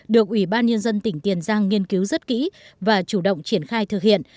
được ủy ban nhân dân tỉnh tiền giang nghiên cứu rất kỹ và chủ động triển khai thực hiện